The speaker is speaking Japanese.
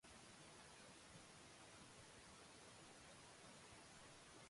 ただ、彼の意志の強さだけは隊員達は理解した